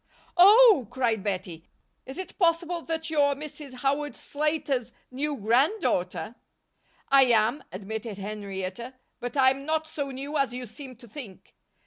"Oh," cried Bettie, "is it possible that you're Mrs. Howard Slater's new granddaughter?" "I am," admitted Henrietta, "but I'm not so new as you seem to think.